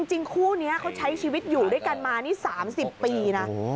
จริงคู่นี้เขาใช้ชีวิตอยู่ด้วยกันมานี่๓๐ปีนะ